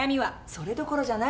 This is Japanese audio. それどころじゃないの。